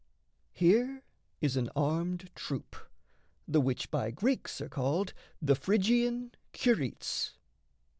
Here is an armed troop, the which by Greeks Are called the Phrygian Curetes.